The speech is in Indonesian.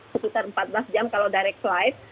sekitar empat belas jam kalau direct live